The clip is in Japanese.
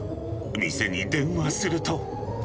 店に電話すると。